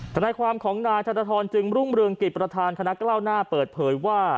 ทนายความของนายธนทรจึงรุ่งเรืองกิจประธานคณะกล้าวหน้าเปิดเผยว่า